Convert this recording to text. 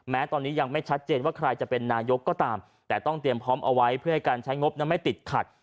แม้ตอนนี้ยังไม่ชัดเจนว่าใครจะเป็นนายกก็ตามแต่ต้องเตรียมพร้อมเอาไว้เพื่อให้การใช้งบนั้นไม่ติดขัด